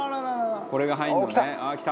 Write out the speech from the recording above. これが入るのね」